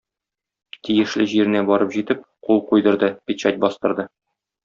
Тиешле җиренә барып җитеп, кул куйдырды, печать бастырды.